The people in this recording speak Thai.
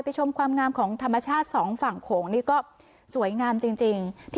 ชมความงามของธรรมชาติสองฝั่งโขงนี่ก็สวยงามจริง